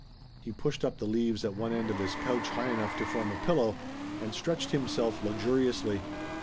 He pushed up the leaves at one end of his couch high enough to form a pillow, and stretched himself luxuriously.